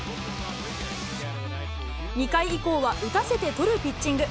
２回以降は打たせて取るピッチング。